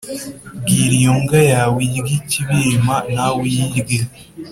bwira iyo mbwa yawe irye ikibirima, nawe uyirye